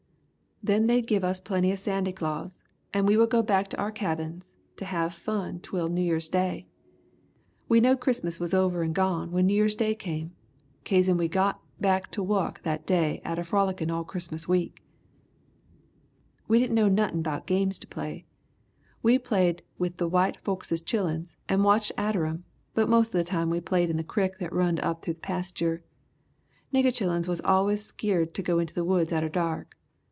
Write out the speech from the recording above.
Then they'd give us plenty of Sandy Claus and we would go back to our cabins to have fun twel New Year's day. We knowed Christmas was over and gone when New Year's day come, kazen we got back to wuk that day atter frolickin' all Christmas week. "We didn' know nuttin' 'bout games to play. We played with the white folkses chilluns and watched atter 'em but most of the time we played in the crick what runned through the pastur'. Nigger chilluns was allus skeered to go in the woods atter dark.